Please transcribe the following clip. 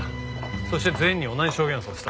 そして全員に同じ証言をさせた。